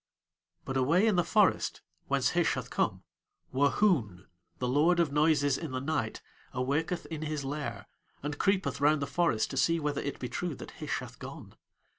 But away in the forest whence Hish hath come Wohoon, the Lord of Noises in the Night, awaketh in his lair and creepeth round the forest to see whether it be true that Hish hath gone.